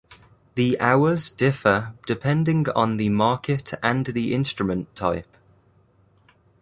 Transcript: The hours differ depending on the market and the instrument type.